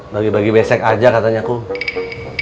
bagi bagi besek aja katanya ku